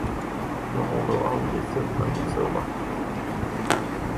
Jag har då aldrig sett något så vackert!